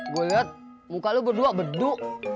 gue lihat muka lu berdua bedu